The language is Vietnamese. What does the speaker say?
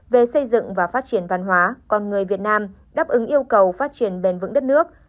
về xây dựng và phát triển văn hóa con người việt nam đáp ứng yêu cầu phát triển bền vững đất nước